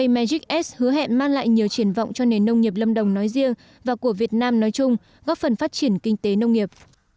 magics hứa hẹn mang lại nhiều triển vọng cho nền nông nghiệp lâm đồng nói riêng và của việt nam nói chung góp phần phát triển kinh tế nông nghiệp